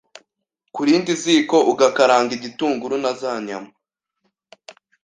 ku rindi ziko ugakaranga igitunguru na za nyama